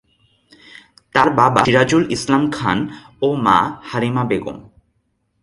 তার বাবা সিরাজুল ইসলাম খান ও মা হালিমা বেগম।